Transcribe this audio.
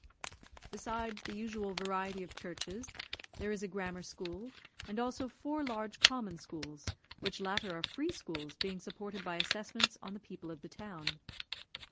Besides the usual variety of churches, there is a grammar school, and also four large common schools, which latter are free schools, being supported by assessments on the people of the town.